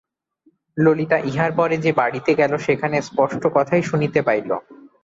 ললিতা ইহার পরে যে বাড়িতে গেল সেখানে স্পষ্ট কথাই শুনিতে পাইল।